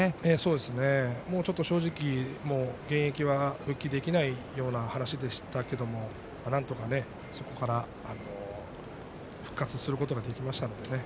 正直、現役は復帰できないような話でしたけれどもなんとか、そこから復活することができましたのでね。